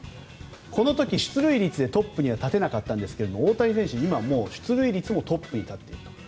この時、出塁率でトップには立てなかったんですが大谷選手は出塁率にもトップに立っている。